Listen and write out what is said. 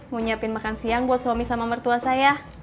nyiapin makan siang buat suami sama mertua saya